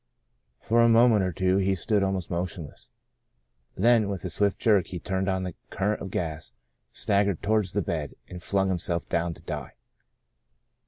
For a moment or two he stood almost motionless. Then, with a swift jerk he turned on the current of gas, staggered towards the bed, and flung himself down to die.